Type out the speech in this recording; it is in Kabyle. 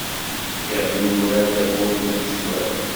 Iḍelli nurar takurt n uqecwal.